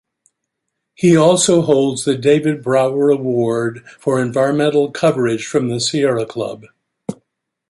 He also holds the David Brower award for Environmental Coverage from the Sierra Club.